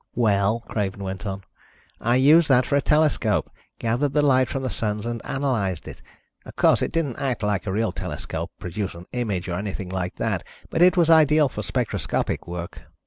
"Well," Craven went on, "I used that for a telescope. Gathered the light from the suns and analyzed it. Of course it didn't act like a real telescope, produce an image or anything like that, but it was ideal for spectroscopic work."